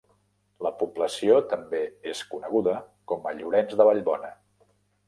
La població també és coneguda com a Llorenç de Vallbona.